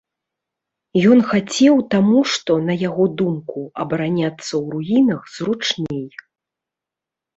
Ён хацеў таму што, на яго думку, абараняцца ў руінах зручней.